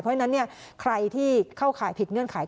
เพราะฉะนั้นใครที่เข้าข่ายผิดเงื่อนไข